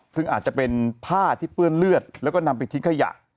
ซึ่งอาจจะเป็นผ้าที่เปื้อนเลือดแล้วก็นำไปทิ้งขยะ